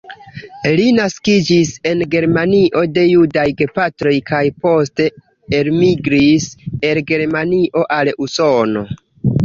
Li naskiĝis en Germanio de judaj gepatroj kaj poste elmigris el Germanio al Usono.